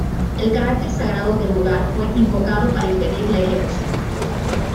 El carácter sagrado del lugar fue invocado para impedir la ejecución.